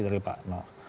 dari pak noh